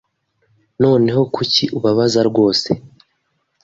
Noneho kuki ubabaza rwose?